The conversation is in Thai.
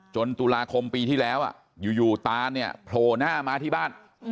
ตุลาคมปีที่แล้วอยู่ตานเนี่ยโผล่หน้ามาที่บ้าน